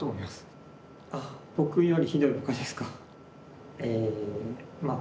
あっ僕よりひどいポカですか。